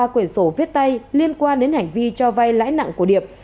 ba quyển sổ viết tay liên quan đến hành vi cho vay lãi nặng của điệp